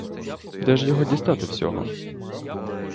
Де ж його дістати всього?